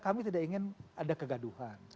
kami tidak ingin ada kegaduhan